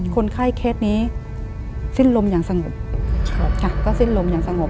คนไข้เคสนี้สิ้นลมอย่างสงบ